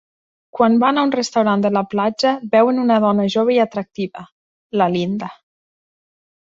Quan van a un restaurant de la platja, veuen una dona jove i atractiva, la Linda.